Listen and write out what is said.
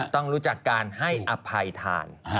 ต้องรู้จักการให้อภัยทาน